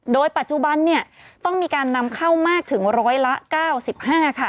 โดยปัจจุบันต้องมีการนำเข้ามากถึง๑๐๐ละ๙๕ค่ะ